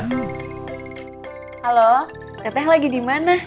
halo teteh lagi dimana